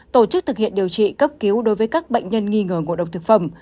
tổ chức thực hiện điều trị cấp cứu đối với các bệnh nhân nghi ngờ ngộ độc thực phẩm